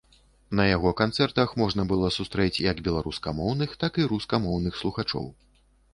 На яго канцэртах можна было сустрэць як беларускамоўных, так і рускамоўных слухачоў.